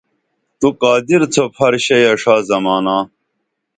تو قادر تھوپ ہر شئی یہ ݜا زمانا